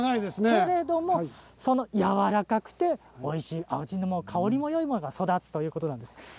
けれども、やわらかくておいしい味も香りもいいものが育つということなんです。